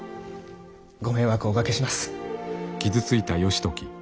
ご迷惑をおかけします。